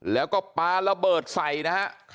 แล้วก็ปลาระเบิดใส่นะฮะ